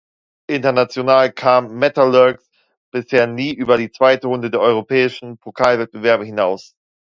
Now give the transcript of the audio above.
International kam Metalurgs bisher nie über die zweite Runde der europäischen Pokalwettbewerbe hinaus.